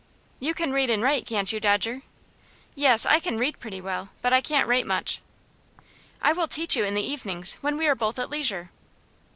"You can read and write, can't you, Dodger?" "Yes; I can read pretty well, but I can't write much." "I will teach you in the evenings, when we are both at leisure."